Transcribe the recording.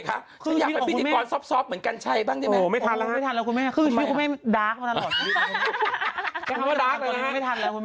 คือชีวิตคุณแม่ดาร์กตลอด